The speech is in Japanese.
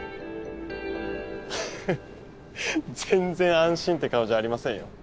ハハハッ全然安心って顔じゃありませんよ。